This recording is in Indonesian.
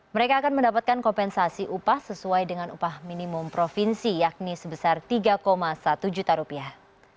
mereka akan mendapatkan kompensasi upah sesuai dengan upah minimum provinsi yakni sebesar tiga satu juta rupiah